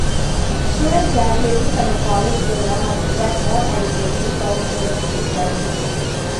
Students graduating from a college program are prepared more adequately for university studies.